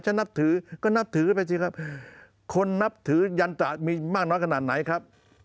นับถือก็นับถือไปสิครับคนนับถือยันตระมีมากน้อยขนาดไหนครับ